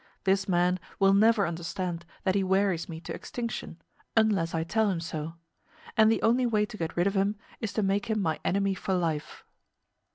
This man will never understand that he wearies me to extinction unless I tell him so: and the only way to get rid of him is to make him my enemy for life.